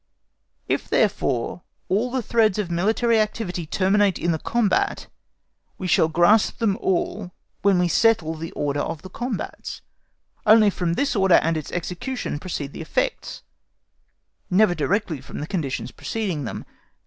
If, therefore, all the threads of military activity terminate in the combat, we shall grasp them all when we settle the order of the combats. Only from this order and its execution proceed the effects, never directly from the conditions preceding them.